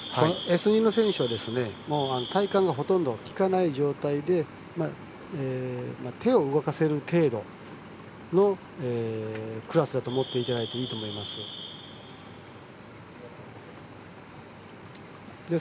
Ｓ２の選手は体幹がほとんど利かない状態で手を動かせる程度のクラスだと思っていただいていいと思います。